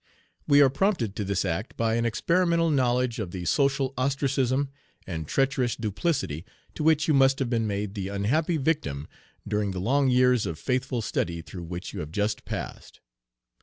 We are prompted to this act by an experimental knowledge of the social ostracism and treacherous duplicity to which you must have been made the unhappy victim during the long years of faithful study through which you have just passed.